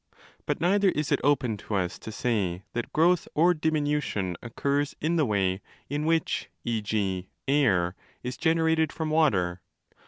10 But neither is it open to us to say that growth or diminution occurs in the way in which e.g. air is generated from water.